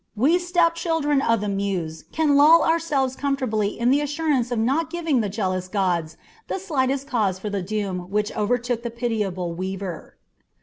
We stepchildren of the Muse can lull ourselves comfortably in the assurance of not giving the jealous gods the slightest cause for the doom which overtook the pitiable weaver."